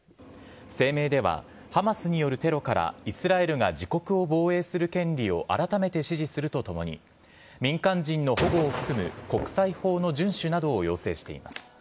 声明ではハマスによるテロからイスラエルが自国を防衛する権利を改めて支持するとともに、民間人の保護を含む国際法の順守などを要請しています。